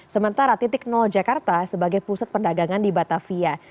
sementara titik nol jakarta sebagai pusat perdagangan di batavia